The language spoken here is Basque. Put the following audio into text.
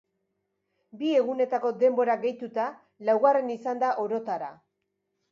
Bi egunetako denborak gehituta, laugarren izan da orotara.